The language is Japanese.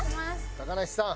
高梨さん。